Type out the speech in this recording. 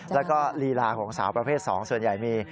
แล้วก็ลีลาของสาวประเภท๒ส่วนใหญ่มี